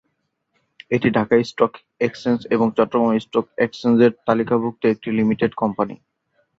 এটি Dhaka Stock Exchange এবং Chittagong Stock এক্সচেঞ্জের তালিকাভুক্ত একটি লিমিটেড কোম্পানি।